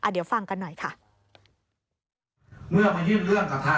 เดี๋ยวฟังกันหน่อยค่ะ